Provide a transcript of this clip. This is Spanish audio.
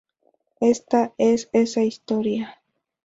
Esta es esa historia.